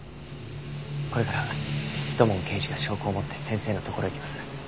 これから土門刑事が証拠を持って先生のところへ行きます。